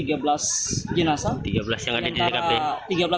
tiga belas yang ada di tkp